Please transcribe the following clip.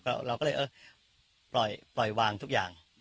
เราก็เลยเออปล่อยวางทุกอย่าง